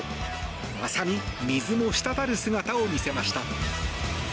まさに水も滴る姿を見せました。